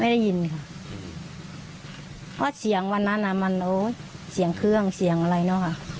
ได้ยินค่ะเพราะเสียงวันนั้นอ่ะมันเอาเสียงเครื่องเสียงอะไรเนอะค่ะ